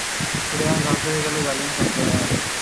সুতরাং ধ্বংস হয়ে গেল জালিম সম্প্রদায়।